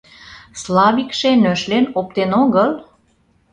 Славикше нӧшлен оптен огыл?